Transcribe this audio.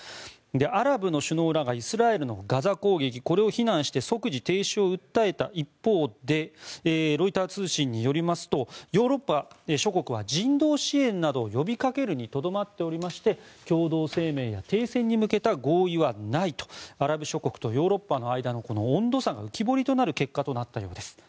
アラブの首脳らがイスラエルのガザ攻撃を非難して即時停止を訴えた一方でロイター通信によりますとヨーロッパ諸国は人道支援などを呼びかけるにとどまっていまして共同声明や停戦に向けた合意はないと、アラブ諸国とヨーロッパの間の温度差が浮き彫りとなる結果となったようです。